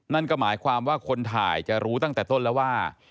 นั่นก็หมายความว่าคนถ่ายจะรู้ตั้งแต่ต้นแล้วว่า